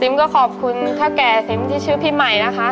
ก็ขอบคุณเท่าแก่ซิมที่ชื่อพี่ใหม่นะคะ